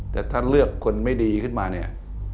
แต่ถ้าเลือกคนไม่ดีขึ้นมาเนี่ย